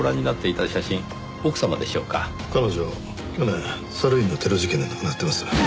彼女去年サルウィンのテロ事件で亡くなってます。